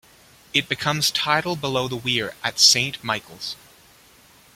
It becomes tidal below the weir at Saint Michael's.